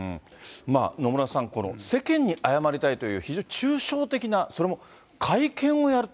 野村さん、世間に謝りたいという、非常に抽象的な、それも会見をやる。